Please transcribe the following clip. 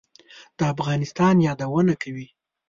د افغانستان یادونه کوي.